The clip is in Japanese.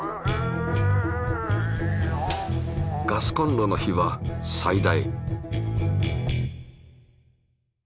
ガスコンロの火は最大。